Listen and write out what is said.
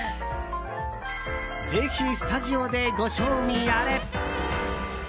ぜひスタジオでご賞味あれ！